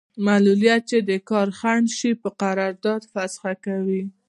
معلولیت چې د کار خنډ شي قرارداد فسخه کوي.